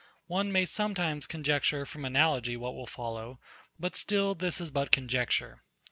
One may sometimes conjecture from analogy what will follow; but still this is but conjecture.